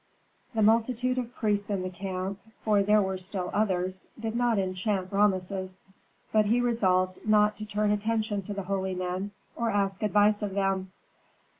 The multitude of priests in the camp (for there were still others) did not enchant Rameses. But he resolved not to turn attention to the holy men or ask advice of them.